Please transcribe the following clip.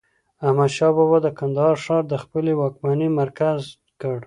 احمد شاه بابا د کندهار ښار د خپلي واکمنۍ مرکز کړ.